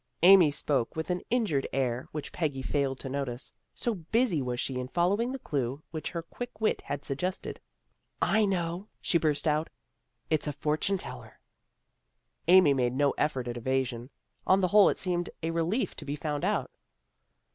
Amy spoke with an injured air which Peggy failed to notice, so busy was she in following the clue which her quick wit had suggested. AMY IS DISILLUSIONED 303 " I know," she burst out. " It's a fortune teller." Amy made no effort at evasion. On the whole it seemed a relief to be found out.